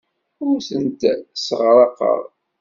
Ur tent-sseɣraqeɣ.